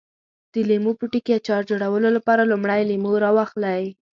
د لیمو پوټکي اچار جوړولو لپاره لومړی لیمو راواخلئ.